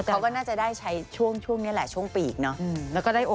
เขาก็น่าจะได้ใช้ช่วงนี้แหละช่วงปีกเนอะ